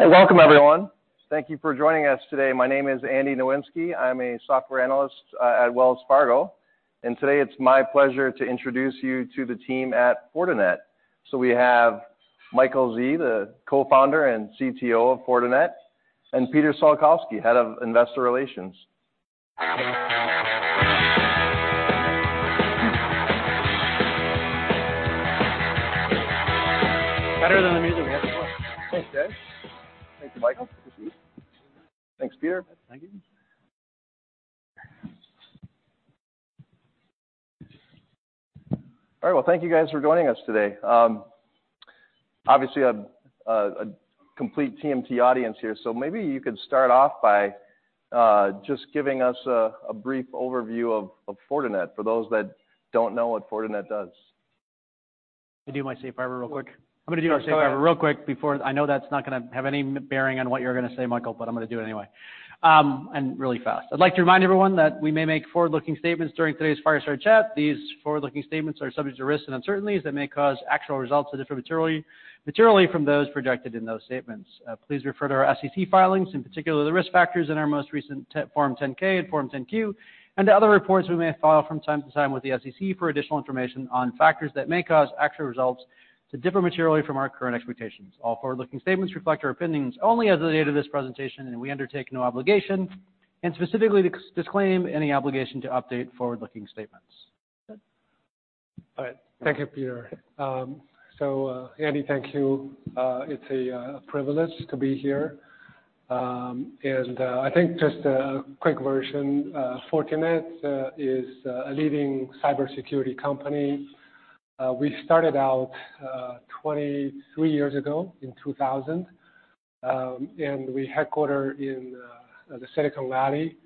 Hey, welcome everyone. Thank you for joining us today. My name is Andy Nowinski. I'm a software analyst at Wells Fargo. Today, it's my pleasure to introduce you to the team at Fortinet. We have Michael Xie, the Co-Founder and CTO of Fortinet, and Peter Salkowski, Head of Investor Relations. Better than the music we had before. Thanks, guys. Thank you, Michael. Thank you. Thanks, Peter. Thank you. Thank you guys for joining us today. Obviously a, a complete TMT audience here. Maybe you could start off by just giving us a brief overview of Fortinet for those that don't know what Fortinet does. Can I do my safe harbor real quick? I'm gonna do our safe harbor real quick before. I know that's not gonna have any bearing on what you're gonna say, Michael, but I'm gonna do it anyway, really fast. I'd like to remind everyone that we may make forward-looking statements during today's Fireside Chat. These forward-looking statements are subject to risks and uncertainties that may cause actual results to differ materially from those projected in those statements. Please refer to our SEC filings, in particular, the risk factors in our most recent Form 10-K and Form 10-Q and other reports we may file from time to time with the SEC for additional information on factors that may cause actual results to differ materially from our current expectations. All forward-looking statements reflect our opinions only as of the date of this presentation, and we undertake no obligation, and specifically disclaim any obligation to update forward-looking statements. All right. Thank you, Peter. Andy, thank you. It's a privilege to be here. I think just a quick version, Fortinet is a leading cybersecurity company. We started out 23 years ago in 2000, we headquarter in the Silicon Valley.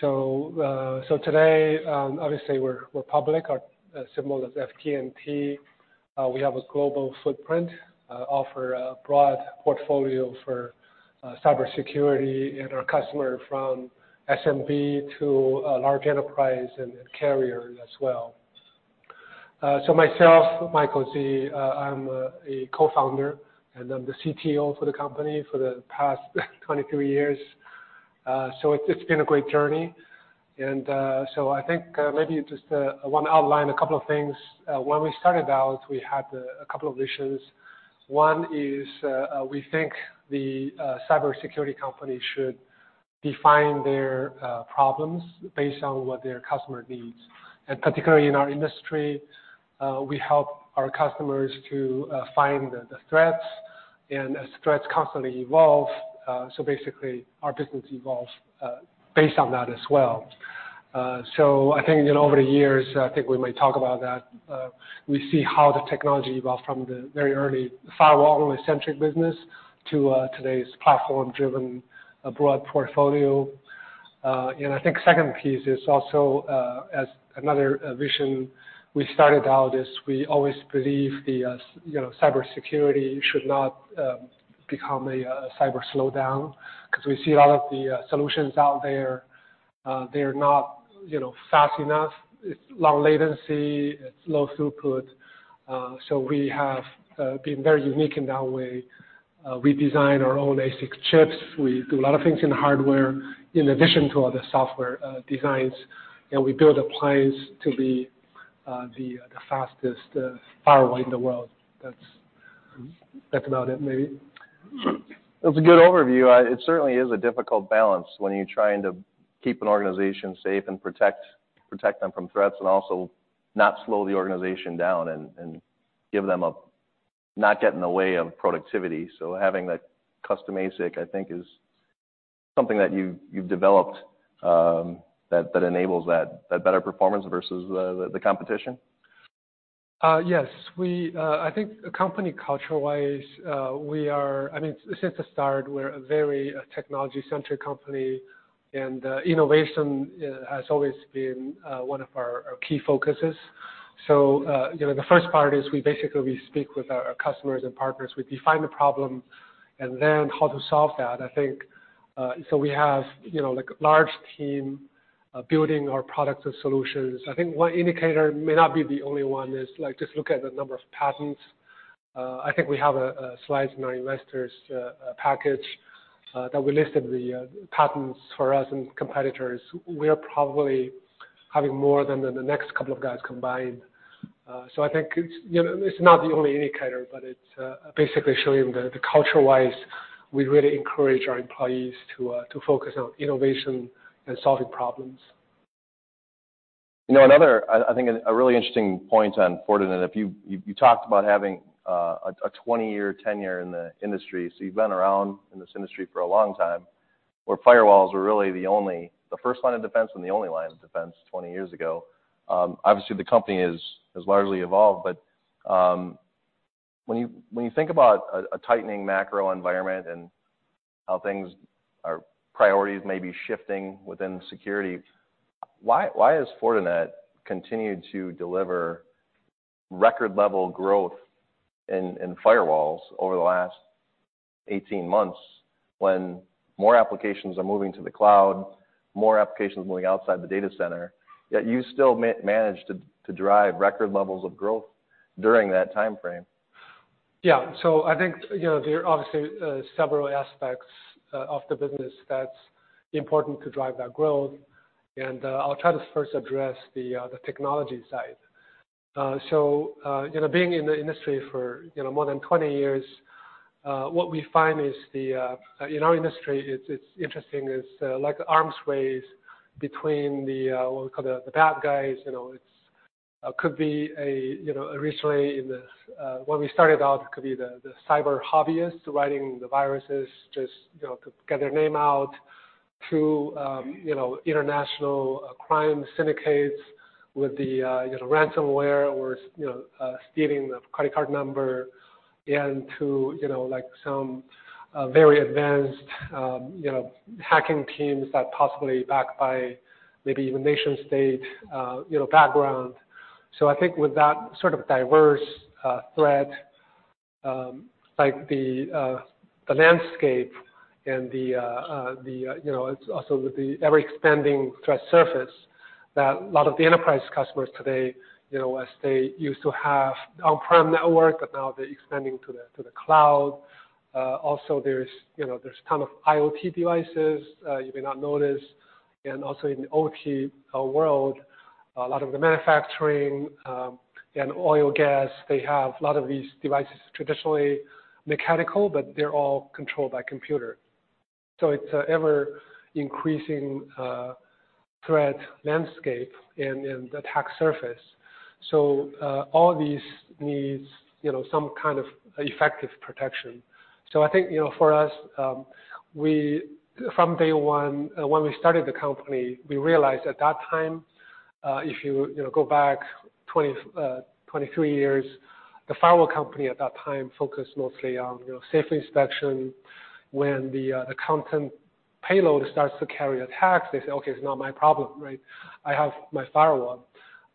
Today, obviously we're public, our symbol is FTNT. We have a global footprint, offer a broad portfolio for cybersecurity and our customer from SMB to a large enterprise and carrier as well. Myself, Michael Xie, I'm a Co-Founder, I'm the CTO for the company for the past 23 years. It's been a great journey. I think maybe just I wanna outline a couple of things. When we started out, we had a couple of visions. One is, we think the cybersecurity company should define their problems based on what their customer needs. Particularly in our industry, we help our customers to find the threats. As threats constantly evolve, so basically our business evolves based on that as well. I think, you know, over the years, I think we may talk about that, we see how the technology evolved from the very early firewall-centric business to today's platform-driven broad portfolio. I think second piece is also, as another vision we started out is we always believe the, you know, cybersecurity should not become a cyber slowdown 'cause we see a lot of the solutions out there, they're not, you know, fast enough. It's long latency. It's low throughput. We have been very unique in that way. We design our own ASIC chips. We do a lot of things in hardware in addition to all the software designs. We build appliance to be the fastest firewall in the world. That's about it, maybe. That's a good overview. It certainly is a difficult balance when you're trying to keep an organization safe and protect them from threats and also not slow the organization down and not get in the way of productivity. Having that custom ASIC, I think, is something that you've developed that enables that better performance versus the competition. Yes. We I mean, since the start, we're a very technology-centric company, and innovation has always been one of our key focuses. You know, the first part is we basically speak with our customers and partners. We define the problem and then how to solve that. I think, you know, like, large team building our products and solutions. I think one indicator may not be the only one, is like, just look at the number of patents. I think we have a slides in our investors package that we listed the patents for us and competitors. We are probably having more than the next couple of guys combined. I think it's, you know, it's not the only indicator, but it's, basically showing the culture-wise, we really encourage our employees to focus on innovation and solving problems. You know, another, I think a really interesting point on Fortinet, if you talked about having a 20-year tenure in the industry. You've been around in this industry for a long time, where firewalls were really the first line of defense and the only line of defense 20 years ago. Obviously the company is, has largely evolved. When you think about a tightening macro environment and how priorities may be shifting within security, why is Fortinet continuing to deliver record level growth in firewalls over the last 18 months? When more applications are moving to the cloud, more applications moving outside the data center, yet you still manage to drive record levels of growth during that time frame? Yeah. I think, you know, there are obviously several aspects of the business that's important to drive that growth. I'll try to first address the technology side. You know, being in the industry for, you know, more than 20 years, what we find is in our industry, it's interesting is like arms race between what we call the bad guys. You know, it's, could be a, you know, originally in the, when we started out, it could be the cyber hobbyists writing the viruses. Just, you know, to get their name out to, you know, international crime syndicates with the, you know, ransomware or, you know, stealing the credit card number. And to, you know, like some very advanced, you know, hacking teams that possibly backed by maybe even nation state, you know, background. I think with that sort of diverse, threat, like the landscape and the, you know, it's also with the ever-expanding threat surface that a lot of the enterprise customers today. You know, as they used to have on-prem network, but now they're expanding to the, to the cloud. Also there's, you know, there's ton of IoT devices, you may not notice. Also in the OT world, a lot of the manufacturing, and oil gas, they have a lot of these devices, traditionally mechanical, but they're all controlled by computer. It's an ever-increasing threat landscape and attack surface. All these needs, you know, some kind of effective protection. I think, you know, for us, from day one, when we started the company, we realized at that time, if you know, go back 23 years, the firewall company at that time focused mostly on, you know, safe inspection. When the content payload starts to carry attacks, they say, "Okay, it's not my problem, right? I have my firewall."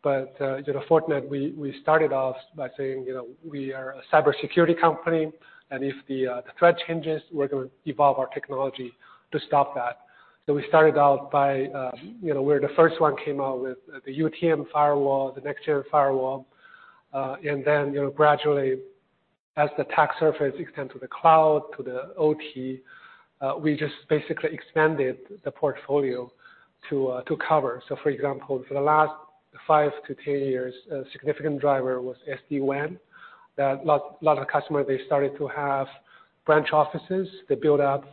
You know, Fortinet, we started off by saying, you know, we are a cybersecurity company, and if the threat changes, we're gonna evolve our technology to stop that. You know, we're the first one came out with the UTM firewall, the next-gen firewall. you know, gradually, as the attack surface extend to the cloud, to the OT. We just basically expanded the portfolio to cover. For example, for the last 5 years-10 years, a significant driver was SD-WAN, that lot of customers, they started to have branch offices. They build out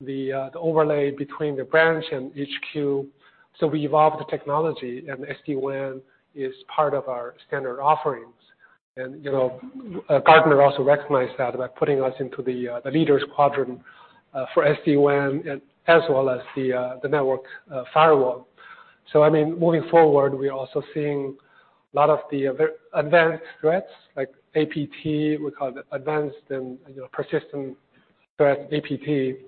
the overlay between the branch and HQ. We evolved the technology, and SD-WAN is part of our standard offerings. You know, Gartner also recognized that by putting us into the leaders quadrant for SD-WAN as well as the network firewall. I mean, moving forward, we're also seeing a lot of the advanced threats like APT, we call it advanced and, you know, persistent threat, APT.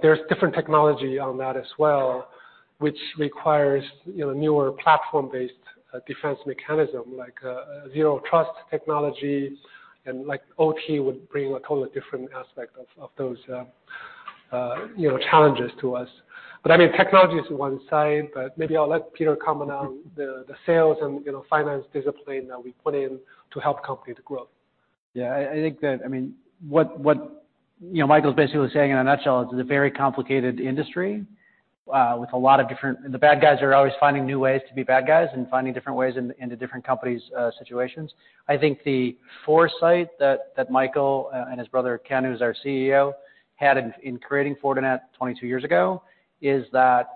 There's different technology on that as well, which requires, you know, newer platform-based defense mechanism like zero trust technology and like OT would bring a total different aspect of those, you know, challenges to us. I mean, technology is one side, but maybe I'll let Peter comment on the sales and, you know, finance discipline that we put in to help company to grow. Yeah. I think that, I mean, what, you know, Michael's basically saying in a nutshell is it's a very complicated industry, with a lot of different. The bad guys are always finding new ways to be bad guys and finding different ways into different companies' situations. I think the foresight that Michael and his brother, Ken, who's our CEO, had in creating Fortinet 22 years ago, is that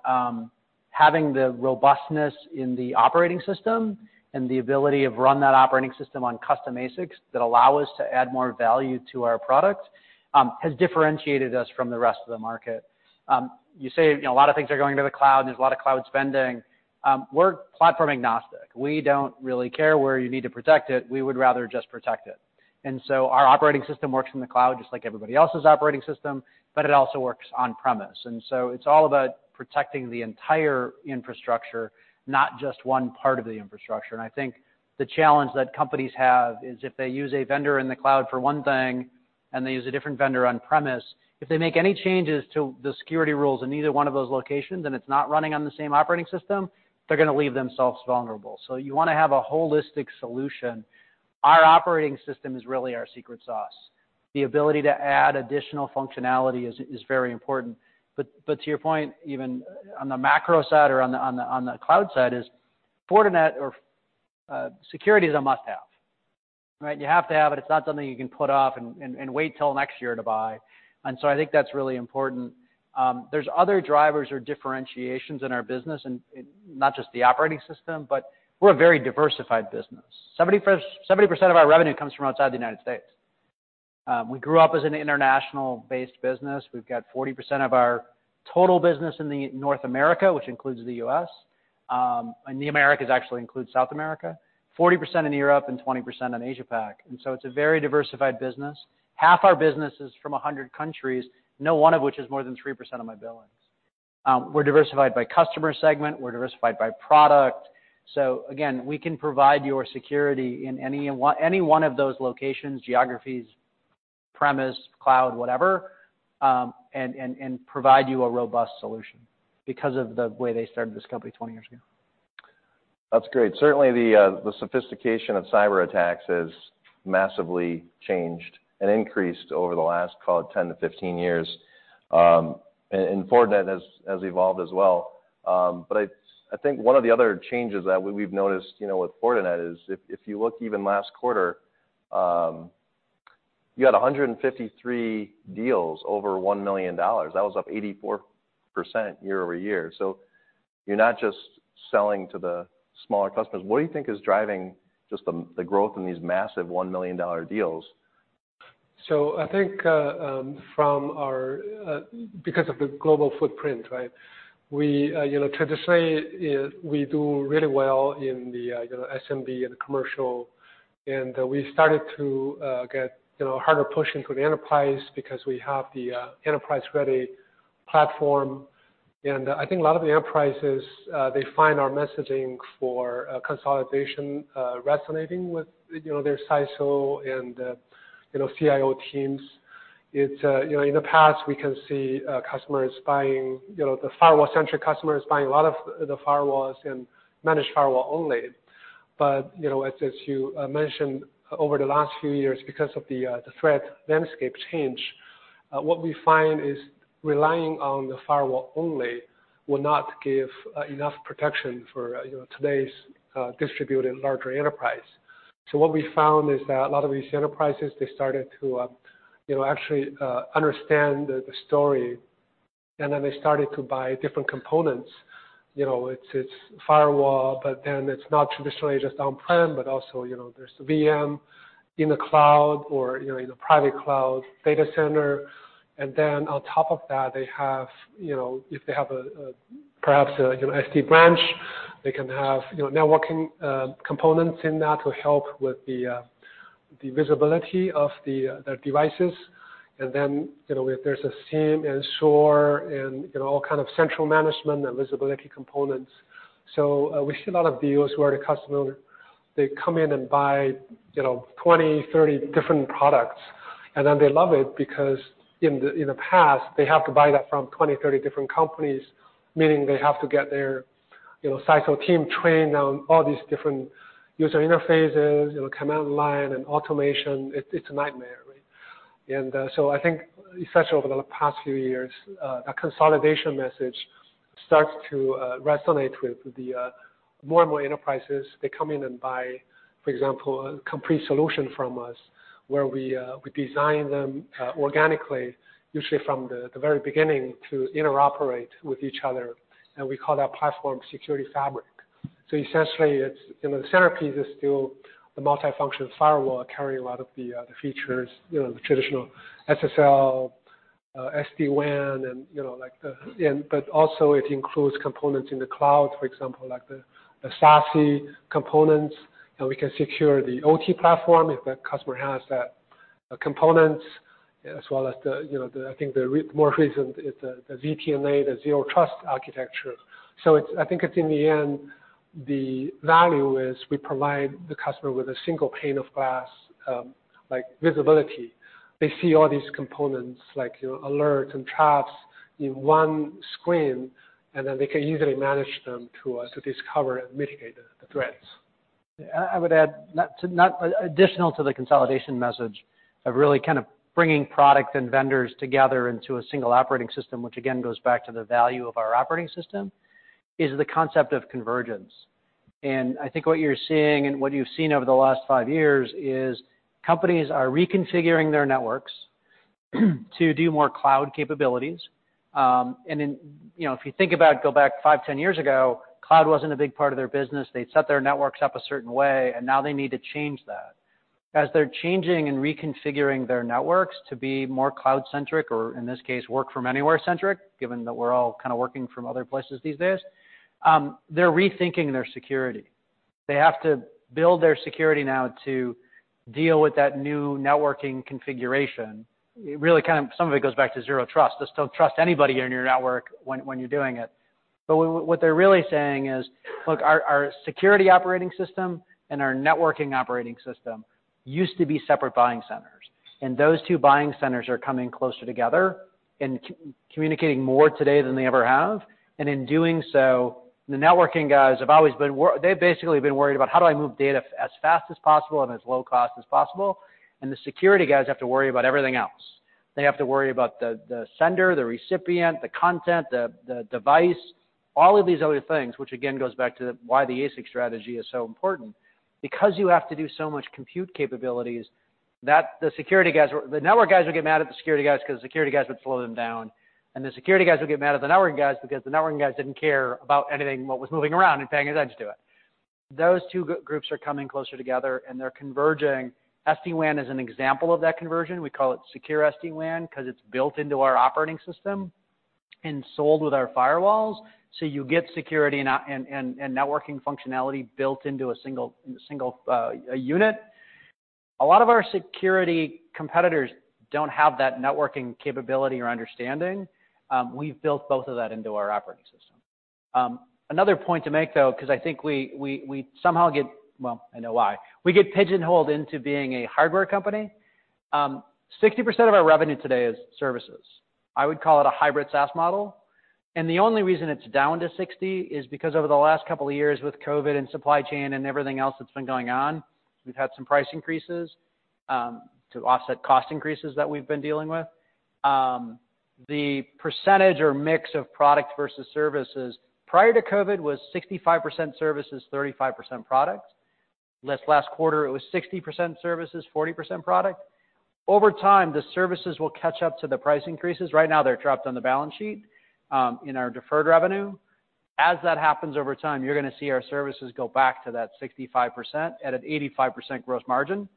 having the robustness in the operating system and the ability of run that operating system on custom ASICs that allow us to add more value to our product, has differentiated us from the rest of the market. You say, you know, a lot of things are going to the cloud, and there's a lot of cloud spending. We're platform agnostic. We don't really care where you need to protect it. We would rather just protect it. Our operating system works in the cloud just like everybody else's operating system, but it also works on-premise. It's all about protecting the entire infrastructure, not just one part of the infrastructure. I think the challenge that companies have is if they use a vendor in the cloud for one thing, and they use a different vendor on-premise, if they make any changes to the security rules in either one of those locations and it's not running on the same operating system, they're gonna leave themselves vulnerable. You wanna have a holistic solution. Our Operating System is really our secret sauce. The ability to add additional functionality is very important. To your point, even on the macro side or on the cloud side is Fortinet or security is a must-have, right? You have to have it. It's not something you can put off and wait till next year to buy. I think that's really important. There's other drivers or differentiations in our business and not just the operating system, but we're a very diversified business. 70% of our revenue comes from outside the United States. We grew up as an international-based business. We've got 40% of our total business in the North America, which includes the U.S. And the Americas actually includes South America. 40% in Europe and 20% in Asia Pac. It's a very diversified business. Half our business is from 100 countries, no one of which is more than 3% of my billing. We're diversified by customer segment, we're diversified by product. Again, we can provide your security in any one of those locations, geographies, premise, cloud, whatever, and provide you a robust solution because of the way they started this company 20 years ago. That's great. Certainly, the sophistication of cyberattacks has massively changed and increased over the last, call it 10 years-15 years. Fortinet has evolved as well. I think one of the other changes that we've noticed, you know, with Fortinet is if you look even last quarter, you had 153 deals over $1 million. That was up 84% year-over-year. You're not just selling to the smaller customers. What do you think is driving the growth in these massive $1 million deals? I think, from our, because of the global footprint, right? We, you know, traditionally, we do really well in the, you know, SMB and the commercial. We started to get, you know, harder push into the enterprise because we have the enterprise-ready platform. I think a lot of the enterprises, they find our messaging for consolidation, resonating with, you know, their CISO and, you know, CIO teams. It's, you know, in the past, we can see customers buying, you know, the firewall-centric customers buying a lot of the firewalls and managed firewall only. You know, as you mentioned, over the last few years, because of the threat landscape change, what we find is relying on the firewall only will not give enough protection for, you know, today's distributed larger enterprise. What we found is that a lot of these enterprises, they started to, you know, actually understand the story, and then they started to buy different components. You know, it's firewall, but then it's not traditionally just on-prem, but also, you know, there's the VM in the cloud or, you know, in a private cloud data center. On top of that, they have, you know, if they have a perhaps, you know, SD-Branch, they can have, you know, networking components in that to help with the visibility of their devices. You know, if there's a SIEM and SOAR and, you know, all kind of central management and visibility components. We see a lot of deals where the customer, they come in and buy, you know, 20, 30 different products, And then they love it because in the, in the past, they have to buy that from 20, 30 different companies, meaning they have to get their, you know, CISO team trained on all these different user interfaces, you know, command line and automation. It's a nightmare, right? I think especially over the past few years, a consolidation message starts to resonate with the more and more enterprises. They come in and buy, for example, a complete solution from us, where we design them organically, usually from the very beginning to interoperate with each other, and we call that platform Security Fabric. Essentially, it's, you know, the centerpiece is still the multifunction firewall carrying a lot of the features, you know, the traditional SSL, SD-WAN, and, you know. But also it includes components in the cloud, for example, like the SASE components. We can secure the OT platform if the customer has that components, as well as the, you know, the I think more recent is the ZTNA, the Zero Trust Architecture. I think it's in the end, the value is we provide the customer with a single pane of glass, like visibility. They see all these components like, you know, alerts and traps in one screen, and then they can easily manage them to discover and mitigate the threats. I would add additional to the consolidation message of really kind of bringing product and vendors together into a single operating system, which again goes back to the value of our operating system, is the concept of convergence. I think what you're seeing and what you've seen over the last five years is companies are reconfiguring their networks to do more cloud capabilities. In, you know, if you think about go back 5 years-10 years ago, cloud wasn't a big part of their business. They'd set their networks up a certain way, and now they need to change that. As they're changing and reconfiguring their networks to be more cloud-centric or, in this case, work-from-anywhere centric, given that we're all kind of working from other places these days, they're rethinking their security. They have to build their security now to deal with that new networking configuration. Some of it goes back to zero trust. Just don't trust anybody in your network when you're doing it. What they're really saying is, "Look, our security operating system and our networking operating system used to be separate buying centers, and those two buying centers are coming closer together and communicating more today than they ever have." In doing so, the networking guys have always been worried about, "How do I move data as fast as possible and as low cost as possible?" The security guys have to worry about everything else. They have to worry about the sender, the recipient, the content, the device, all of these other things, which again goes back to why the ASIC strategy is so important. You have to do so much compute capabilities that the network guys would get mad at the security guys because the security guys would slow them down, and the security guys would get mad at the networking guys because the networking guys didn't care about anything, what was moving around and paying attention to it. Those two groups are coming closer together, and they're converging. SD-WAN is an example of that conversion. We call it secure SD-WAN 'cause it's built into our operating system and sold with our firewalls. You get security and networking functionality built into a single unit. A lot of our security competitors don't have that networking capability or understanding. We've built both of that into our operating system. Another point to make, though, 'cause I think we somehow get pigeonholed into being a hardware company. 60% of our revenue today is services. I would call it a Hybrid SaaS Model. The only reason it's down to 60% is because over the last couple of years with COVID and supply chain and everything else that's been going on, we've had some price increases to offset cost increases that we've been dealing with. The percentage or mix of product versus services prior to COVID was 65% services, 35% products. This last quarter, it was 60% services, 40% product. Over time, the services will catch up to the price increases. Right now, they're trapped on the balance sheet, in our deferred revenue. As that happens over time, you're gonna see our services go back to that 65% at an 85% gross margin.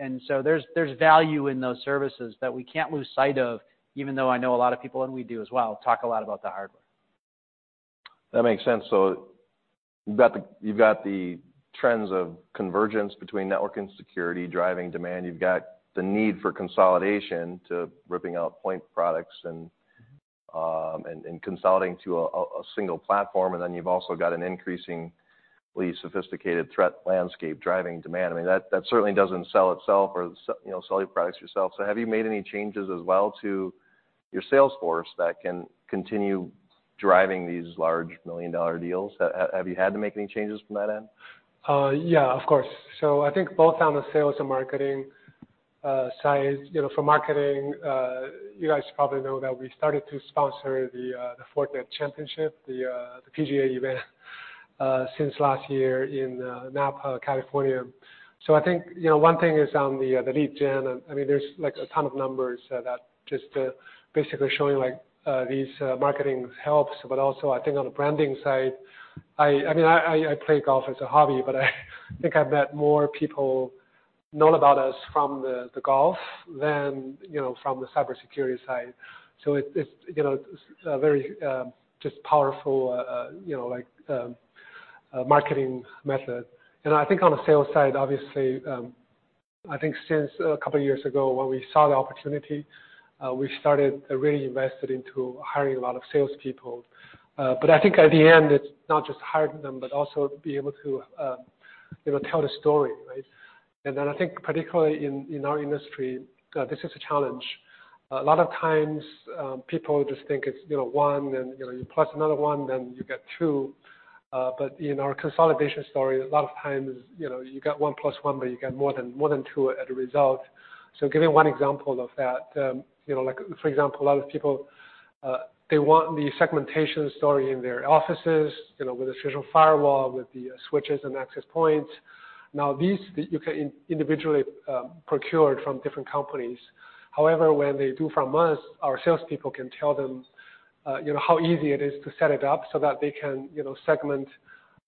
There's value in those services that we can't lose sight of, even though I know a lot of people, and we do as well, talk a lot about the hardware. That makes sense. You've got the trends of convergence between network and security driving demand. You've got the need for consolidation to ripping out point products and consolidating to a single platform. You've also got an increasingly sophisticated threat landscape driving demand. I mean, that certainly doesn't sell itself or you know, sell your products yourself. Have you made any changes as well to your sales force that can continue driving these large million-dollar deals? Have you had to make any changes from that end? Yeah, of course. I think both on the sales and marketing side. You know, for marketing, you guys probably know that we started to sponsor the Fortinet Championship, the PGA event, since last year in Napa, California. I think, you know, one thing is on the lead gen, I mean, there's like a ton of numbers that just basically showing like these marketing helps. Also, I think on the branding side, I mean, I play golf as a hobby, but I think I've met more people know about us from the golf than, you know, from the cybersecurity side. It's, you know, a very just powerful, you know, like marketing method. I think on the sales side, obviously, I think since a couple of years ago when we saw the opportunity, we started really invested into hiring a lot of salespeople. I think at the end, it's not just hiring them, but also to be able to, you know, tell the story, right? I think particularly in our industry, this is a challenge. A lot of times, people just think it's, you know, one, then, you know, you plus another one, then you get two. In our consolidation story, a lot of times, you know, you got one plus one, but you get more than, more than two at a result. Giving one example of that. You know, like for example, a lot of people, they want the segmentation story in their offices, you know, with a traditional firewall, with the switches and access points. These you can individually procure from different companies. However, when they do from us, our salespeople can tell them, you know. How easy it is to set it up so that they can, you know, segment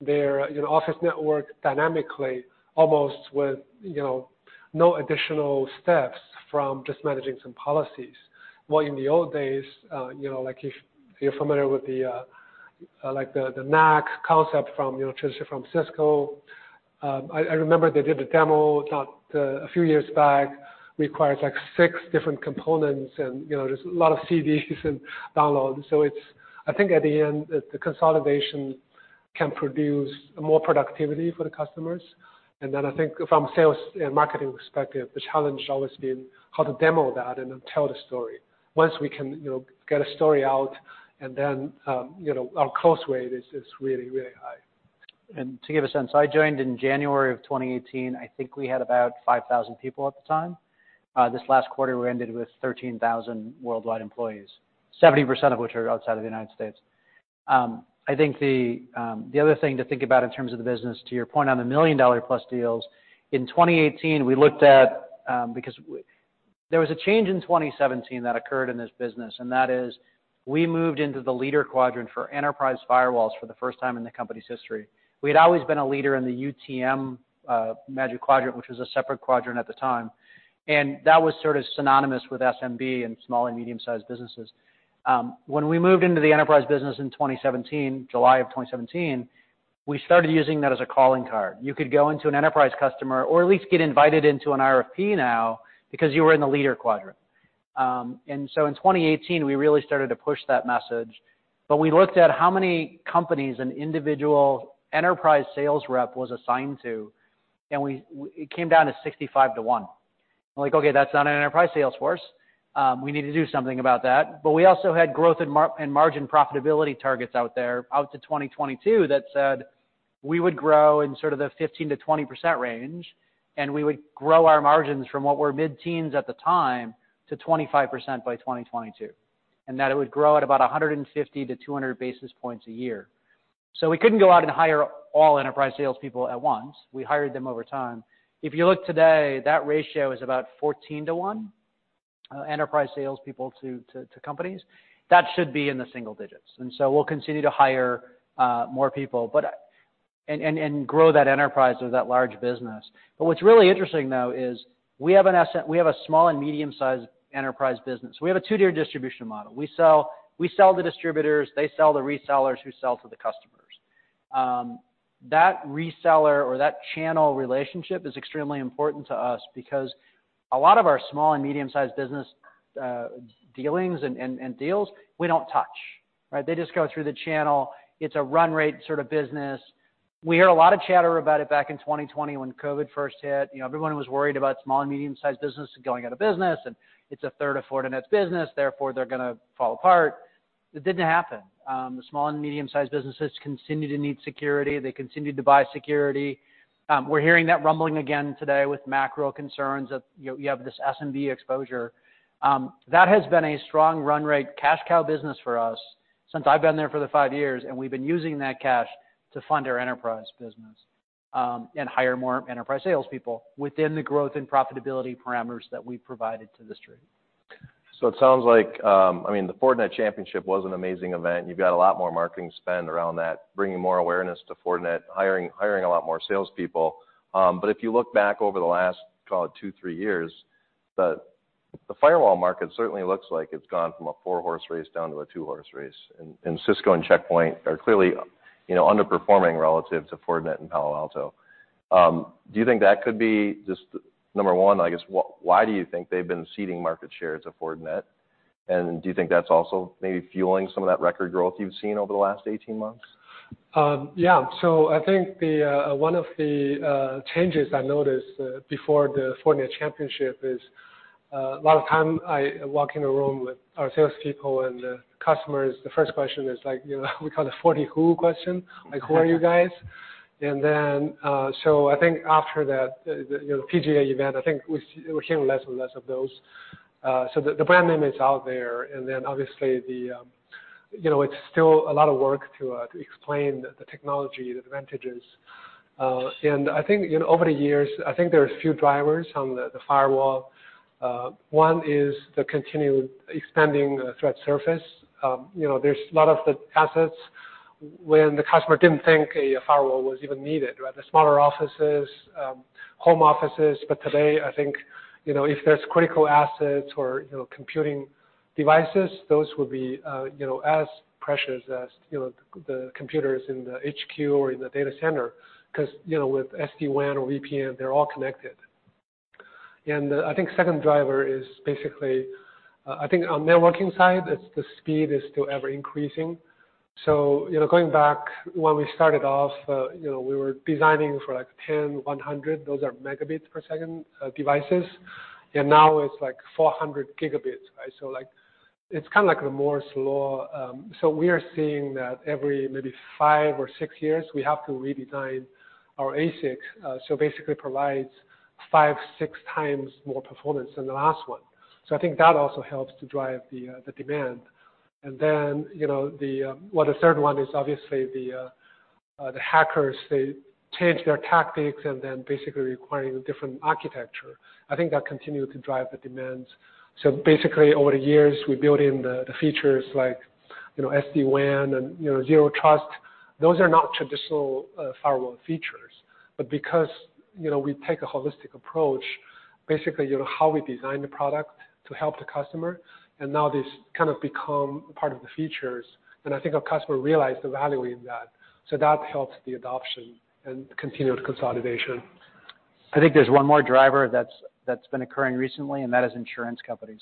their, you know, office network dynamically, almost with, you know, no additional steps from just managing some policies. While in the old days, you know, like if you're familiar with the, like the NAC concept from, you know, traditionally from Cisco. I remember they did a demo not a few years back, requires like six different components and, you know, there's a lot of CDs and downloads. I think at the end, the consolidation can produce more productivity for the customers. I think from sales and marketing perspective, the challenge always been how to demo that and then tell the story. Once we can, you know, get a story out and then, you know, our close rate is really, really high. To give a sense, I joined in January of 2018. I think we had about 5,000 people at the time. This last quarter, we ended with 13,000 worldwide employees, 70% of which are outside of the United States. I think the other thing to think about in terms of the business, to your point on the $1 million+ deals, in 2018, we looked at, because there was a change in 2017 that occurred in this business, and that is we moved into the Leader Quadrant for enterprise firewalls for the first time in the company's history. We had always been a leader in the UTM Magic Quadrant, which was a separate quadrant at the time. That was sort of synonymous with SMB and small and medium-sized businesses. When we moved into the enterprise business in 2017, July of 2017, we started using that as a calling card. You could go into an enterprise customer or at least get invited into an RFP now because you were in the Leader Quadrant. In 2018, we really started to push that message, but we looked at how many companies an individual enterprise sales rep was assigned to, and we, it came down to 65 to 1. We're like, "Okay, that's not an enterprise sales force. We need to do something about that." We also had growth and margin profitability targets out there out to 2022 that said we would grow in sort of the 15%-20% range, and we would grow our margins from what were mid-teens at the time to 25% by 2022, and that it would grow at about 150 basis points-200 basis points a year. We couldn't go out and hire all enterprise salespeople at once. We hired them over time. If you look today, that ratio is about 14 to 1 enterprise salespeople to companies. That should be in the single digits. We'll continue to hire more people and grow that enterprise or that large business. What's really interesting, though, is we have a small and medium-sized enterprise business. We have a Two-Tier Distribution Model. We sell to distributors, they sell to resellers who sell to the customer. That reseller or that channel relationship is extremely important to us because a lot of our small and medium-sized business dealings and deals we don't touch, right? They just go through the channel. It's a run rate sort of business. We heard a lot of chatter about it back in 2020 when COVID first hit. You know, everyone was worried about small and medium-sized businesses going out of business, and it's a third of Fortinet's business, therefore they're gonna fall apart. It didn't happen. The small and medium-sized businesses continue to need security. They continued to buy security. We're hearing that rumbling again today with macro concerns of, you have this SMB exposure. That has been a strong run rate cash cow business for us since I've been there for the 5 years, and we've been using that cash to fund our enterprise business, and hire more enterprise salespeople within the growth and profitability parameters that we've provided to the street. It sounds like, I mean, the Fortinet Championship was an amazing event. You've got a lot more marketing spend around that, bringing more awareness to Fortinet, hiring a lot more salespeople. If you look back over the last, call it 2years-3 years, the firewall market certainly looks like it's gone from a 4-horse race down to a 2-horse race. Cisco and Check Point are clearly, you know, underperforming relative to Fortinet and Palo Alto. Do you think that could be just, number one, I guess, why do you think they've been ceding market share to Fortinet? Do you think that's also maybe fueling some of that record growth you've seen over the last 18 months? Yeah. I think the one of the changes I noticed before the Fortinet Championship is a lot of time I walk in a room with our salespeople and the customers, the first question is like, you know, we call the Forti-who question. Like, who are you guys? I think after that, the, you know, PGA event, I think we're hearing less and less of those. The brand name is out there, and then obviously the, you know, it's still a lot of work to explain the technology, the advantages. I think, you know, over the years, I think there are a few drivers on the firewall. One is the continued expanding threat surface. You know, there's a lot of the assets when the customer didn't think a firewall was even needed, right? The smaller offices, home offices. Today, I think, you know, if there's critical assets or, you know, computing devices, those will be, you know, as precious as, you know, the computers in the HQ or in the data center 'cause, you know, with SD-WAN or VPN, they're all connected. I think second driver is basically, I think on networking side, it's the speed is still ever increasing. You know, going back when we started off, you know, we were designing for like 10 Mbps-100 Mbps devices. Now it's like 400 Gbps, right? It's kinda like the Moore's Law. We are seeing that every maybe five or six years, we have to redesign our ASIC, basically provides five, six times more performance than the last one. I think that also helps to drive the demand. You know, the third one is obviously the hackers, they change their tactics and then basically requiring a different architecture. I think that continued to drive the demands. Basically, over the years, we built in the features like, you know, SD-WAN and, you know, zero trust. Those are not traditional firewall features. Because, you know, we take a holistic approach, basically, you know, how we design the product to help the customer, and now these kind of become part of the features, and I think our customer realized the value in that. That helps the adoption and continued consolidation. I think there's one more driver that's been occurring recently, and that is insurance companies.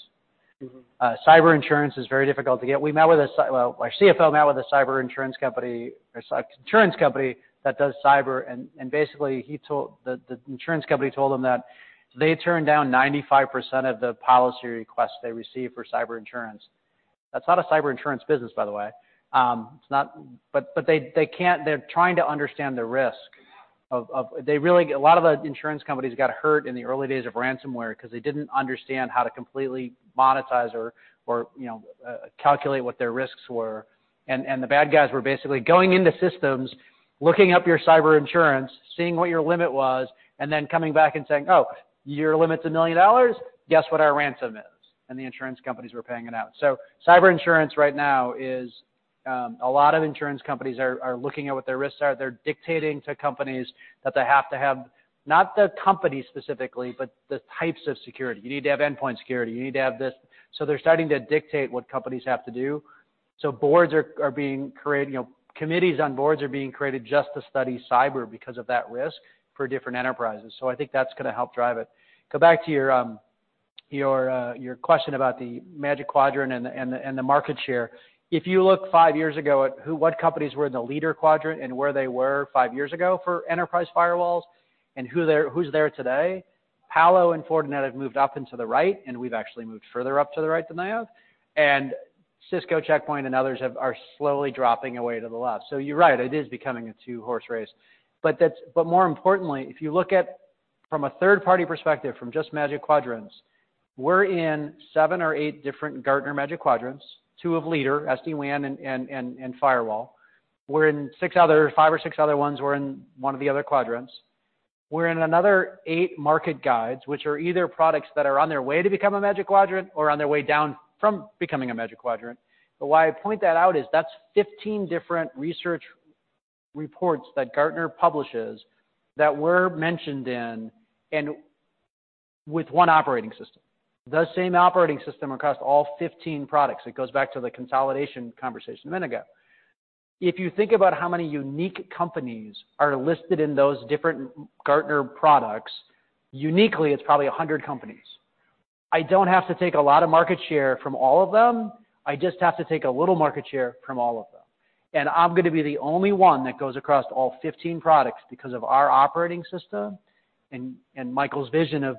Cyber insurance is very difficult to get. Our CFO met with a cyber insurance company or insurance company that does cyber, and basically, the insurance company told him that they turn down 95% of the policy requests they receive for cyber insurance. That's not a cyber insurance business, by the way. They're trying to understand the risk. A lot of the insurance companies got hurt in the early days of ransomware because they didn't understand how to completely monetize or, you know, calculate what their risks were. The bad guys were basically going into systems, looking up your cyber insurance, seeing what your limit was, and then coming back and saying, "Oh, your limit's $1 million? Guess what our ransom is." The insurance companies were paying it out. Cyber insurance right now is a lot of insurance companies are looking at what their risks are. They're dictating to companies that they have to have, not the company specifically, but the types of security. You need to have endpoint security. You need to have this. They're starting to dictate what companies have to do. Boards are being created. You know, committees on boards are being created just to study cyber because of that risk for different enterprises. I think that's gonna help drive it. Go back to your question about the Magic Quadrant and the market share. If you look five years ago at what companies were in the leader quadrant and where they were five years ago for enterprise firewalls and who's there today, Palo Alto and Fortinet have moved up into the right, and we've actually moved further up to the right than they have. Cisco, Checkpoint, and others are slowly dropping away to the left. You're right, it is becoming a two-horse race. More importantly, if you look at from a third-party perspective, from just Magic Quadrants, we're in 7 or 8 different Gartner Magic Quadrants, 2 of leader, SD-WAN and Firewall. We're in 5 or 6 other ones, we're in one of the other quadrants. We're in another eight market guides, which are either products that are on their way to become a Magic Quadrant or on their way down from becoming a Magic Quadrant. Why I point that out is that's 15 different research reports that Gartner publishes that we're mentioned in. With one operating system. The same operating system across all 15 products. It goes back to the consolidation conversation a minute ago. If you think about how many unique companies are listed in those different Gartner products, uniquely, it's probably 100 companies. I don't have to take a lot of market share from all of them, I just have to take a little market share from all of them. I'm gonna be the only one that goes across all 15 products because of our operating system and Michael's vision of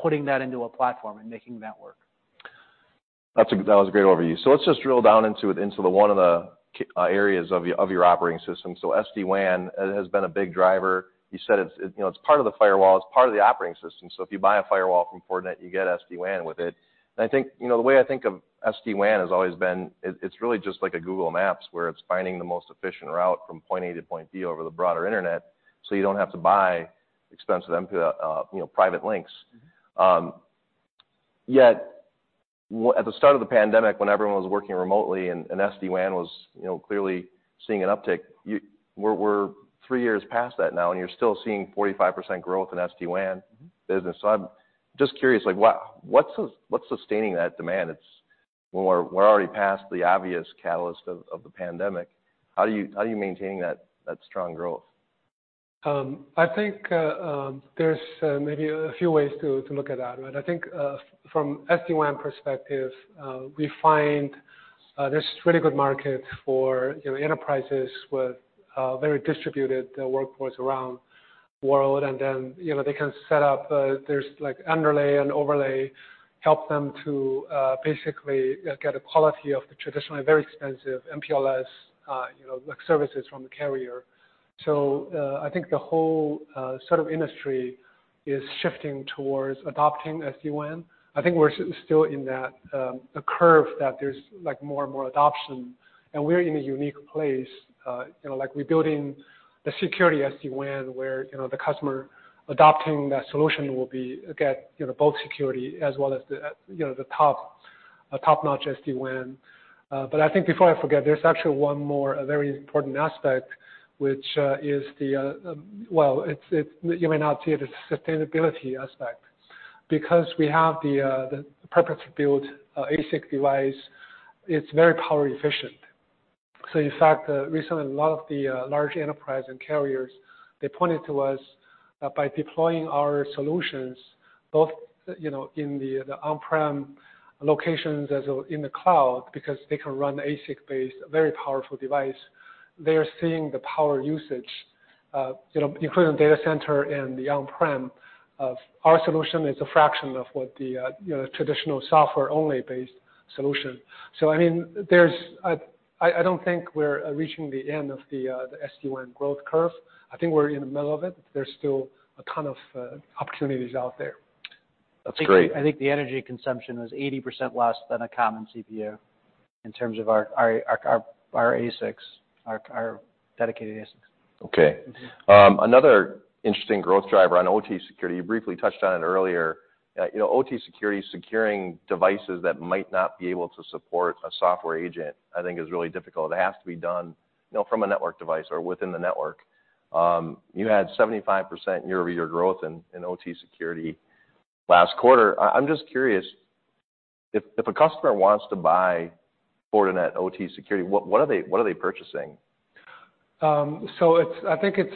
putting that into a platform and making that work. That was a great overview. Let's just drill down into it, into one of the areas of your operating system. SD-WAN has been a big driver. You said it's, you know, it's part of the firewall, it's part of the operating system, so if you buy a firewall from Fortinet, you get SD-WAN with it. I think, you know, the way I think of SD-WAN has always been, it's really just like a Google Maps, where it's finding the most efficient route from Point A-Point B over the broader internet, so you don't have to buy expensive, you know, private links. Yet at the start of the pandemic when everyone was working remotely and SD-WAN was, you know, clearly seeing an uptick, we're three years past that now, and you're still seeing 45% growth in SD-WAN business. I'm just curious, like, what's sustaining that demand? When we're already past the obvious catalyst of the pandemic, how do you, how are you maintaining that strong growth? I think there's maybe a few ways to look at that, right? I think from SD-WAN perspective, we find there's really good market for, you know, enterprises with a very distributed workforce around world. You know, they can set up there's like underlay and overlay, help them to basically get a quality of the traditionally very expensive MPLS, you know, like, services from the carrier. I think the whole sort of industry is shifting towards adopting SD-WAN. I think we're still in that the curve that there's, like, more and more adoption. We're in a unique place. You know, like, we're building the Secure SD-WAN where, you know, the customer adopting that solution will get, you know, both security as well as, you know, a top-notch SD-WAN. I think before I forget, there's actually one more very important aspect. Well, it's, you may not see it as sustainability aspect. We have the purpose-built ASIC device, it's very power efficient. In fact, recently a lot of the large enterprise and carriers, they pointed to us that by deploying our solutions, both, you know, in the on-prem locations as in the cloud, because they can run ASIC-based very powerful device. They are seeing the power usage, you know, including data center and the on-prem of our solution is a fraction of what the, you know, traditional software-only based solution. I mean, there's I don't think we're reaching the end of the SD-WAN growth curve. I think we're in the middle of it. There's still a ton of opportunities out there. That's great. I think the energy consumption is 80% less than a common CPU in terms of our ASICs, our dedicated ASICs. OK. Another interesting growth driver on OT security, you briefly touched on it earlier. You know, OT security, securing devices that might not be able to support a software agent, I think is really difficult. It has to be done, you know, from a network device or within the network. You had 75% year-over-year growth in OT security last quarter. I'm just curious, if a customer wants to buy Fortinet OT security, what are they purchasing? I think it's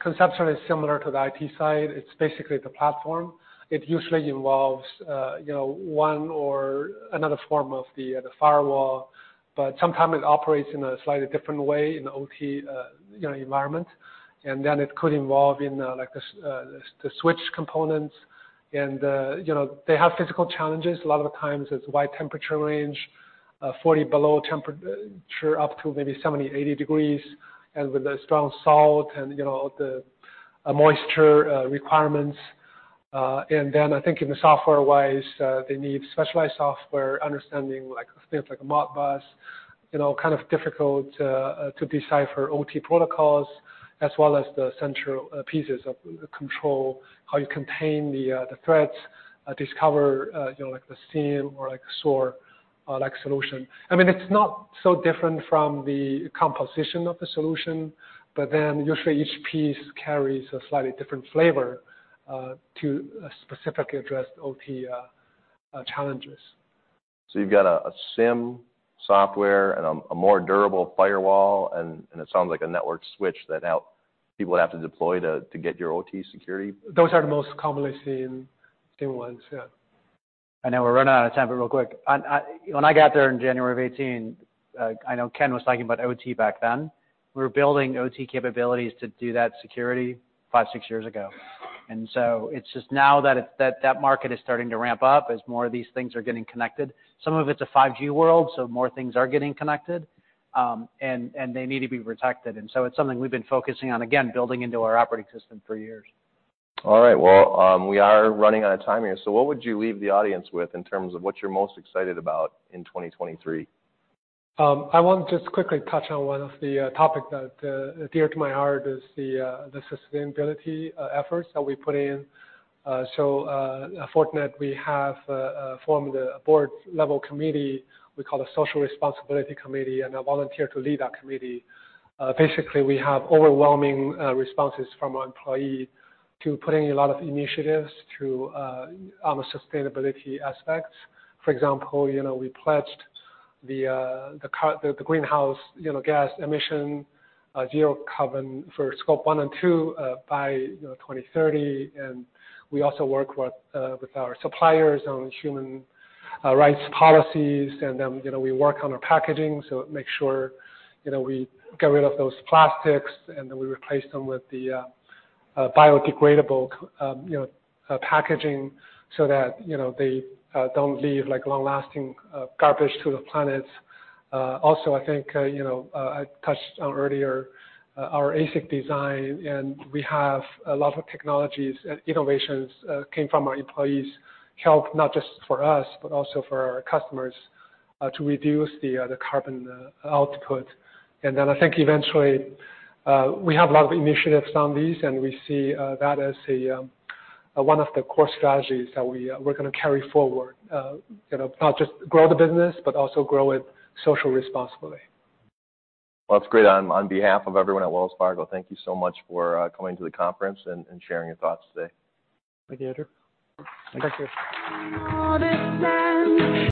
conceptually similar to the IT side. It's basically the platform. It usually involves, you know, one or another form of the firewall, but sometime it operates in a slightly different way in the OT, you know, environment. It could involve in, like the switch components. You know, they have physical challenges. A lot of the times it's wide temperature range, 40 below temperature, up to maybe 70 degrees-80 degrees, and with a strong salt and, you know, the moisture requirements. I think in the software-wise, they need specialized software understanding, like things like Modbus. You know, kind of difficult, to decipher OT protocols, as well as the central, pieces of, control, how you contain the threats, discover, you know, like the SIEM or like SOAR, like solution. I mean, it's not so different from the composition of the solution, usually each piece carries a slightly different flavor, to, specifically address OT, challenges. You've got a SIEM software and a more durable firewall and it sounds like a network switch that now people would have to deploy to get your OT security. Those are the most commonly seen ones, yeah. I know we're running out of time, but real quick. I When I got there in January of 2018, I know Ken was talking about OT back then. We were building OT capabilities to do that security five, six years ago. It's just now that market is starting to ramp up as more of these things are getting connected. Some of it's a 5G world, so more things are getting connected, and they need to be protected. It's something we've been focusing on, again, building into our operating system for years. All right. Well, we are running out of time here. What would you leave the audience with in terms of what you're most excited about in 2023? I want to just quickly touch on one of the topic that dear to my heart, is the sustainability efforts that we put in. At Fortinet, we have formed a board-level committee we call the Social Responsibility Committee, and I volunteer to lead that committee. Basically, we have overwhelming responses from our employee to putting a lot of initiatives to sustainability aspects. For example, you know, we pledged the greenhouse, you know, gas emission, zero carbon for Scope 1 and 2, by you know, 2030. We also work with with our suppliers on human rights policies. You know, we work on our packaging, so make sure, you know, we get rid of those plastics, and then we replace them with the biodegradable, you know, packaging so that, you know, they don't leave like long-lasting garbage to the planets. Also I think, you know, I touched on earlier, our ASIC design, and we have a lot of technologies and innovations came from our employees help, not just for us, but also for our customers, to reduce the carbon output. I think eventually, we have a lot of initiatives on these, and we see that as a one of the core strategies that we're gonna carry forward. You know, not just grow the business, but also grow it social responsibly. Well, that's great. On behalf of everyone at Wells Fargo, thank you so much for coming to the conference and sharing your thoughts today. Thank you, Andrew. Thank you.